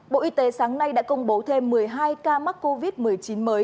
bộ y tế sáng nay đã công bố thêm một mươi hai ca mắc covid một mươi chín mới